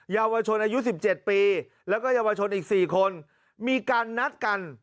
เยาวชนอายุ๑๗ปีแล้วก็เยาวชนอีก๔คนมีการนัดกัน